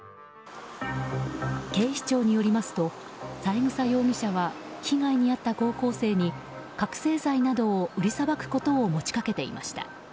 警視庁によりますと三枝容疑者は被害に遭った高校生に覚醒剤などを売りさばくことを持ち掛けていました。